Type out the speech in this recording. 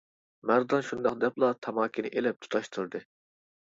مەردان شۇنداق دەپلا تاماكىنى ئېلىپ تۇتاشتۇردى.